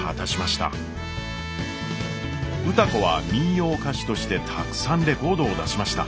歌子は民謡歌手としてたくさんレコードを出しました。